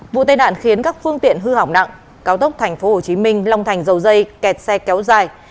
vụ tai nạn khiến các phương tiện hư hỏng nặng cao tốc thành phố hồ chí minh long thành dầu dây kẹt xe kéo dài